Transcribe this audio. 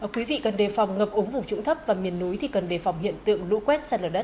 quý vị cần đề phòng ngập ống vùng trũng thấp và miền núi thì cần đề phòng hiện tượng lũ quét xa lờ đất